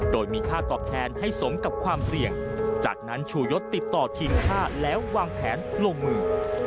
โดยมีค่าตอบแทนให้สมกับความเสี่ยงจากนั้นชูยศติดต่อทีมชาติแล้ววางแผนลงมือ